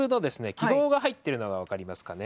気泡が入ってるのが分かりますかね？